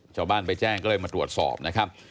ชาวบ้านไปแจ้งก็เลยมาตรวจสอบนะครับ